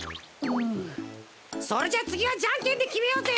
それじゃつぎはじゃんけんできめようぜ！